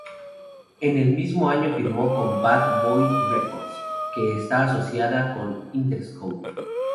En el mismo año firmó con Bad Boy Records, que está asociada con Interscope.